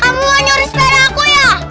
kamu mau nyuruh sepeda aku ya